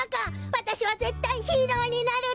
わたしはぜったいヒーローになるの。